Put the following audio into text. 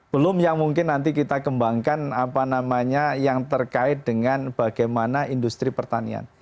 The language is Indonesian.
belum yang mungkin nanti kita kembangkan apa namanya yang terkait dengan bagaimana industri pertanian